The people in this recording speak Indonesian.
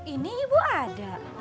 ini ibu ada